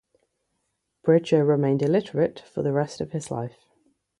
Bridger remained illiterate for the rest of his life.